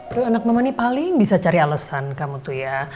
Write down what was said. aduh anak mama ini paling bisa cari alasan kamu tuh ya